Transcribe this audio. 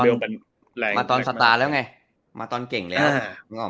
นี่มาตอนสตาร์ทแล้วไงมาตอนเก่งแล้ว